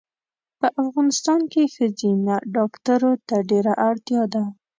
په افغانستان کې ښځېنه ډاکټرو ته ډېره اړتیا ده